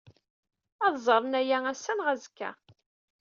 Ad ẓren aya ass-a neɣ azekka.